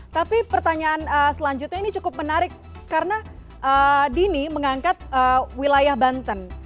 tapi pertanyaan selanjutnya ini cukup menarik karena dini mengangkat wilayah banten